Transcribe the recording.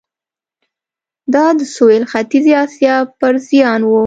دا د سوېل ختیځې اسیا پر زیان و.